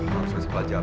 maaf saya masih belajar